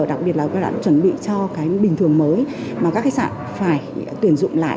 đặc biệt là các bạn đã chuẩn bị cho cái bình thường mới mà các khách sạn phải tuyển dụng lại